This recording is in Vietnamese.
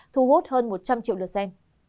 thu hút hơn một trăm linh triệu lượt xem